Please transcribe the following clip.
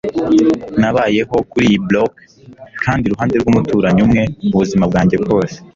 Nabayeho kuriyi blok, kandi iruhande rwumuturanyi umwe, ubuzima bwanjye bwose